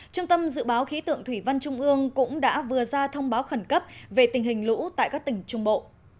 trung tâm dự báo khí tượng thủy văn trung ương cũng đã vừa ra thông báo khẩn cấp về tình hình lũ tại các tỉnh trung bộ